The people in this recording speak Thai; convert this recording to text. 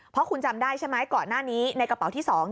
เพราะคุณจำได้ใช่ไหมก่อนหน้านี้ในกระเป๋าที่๒